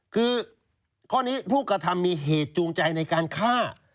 คือข้อนี้ผู้กระทำมีเหตุจูงใจในการฆ่า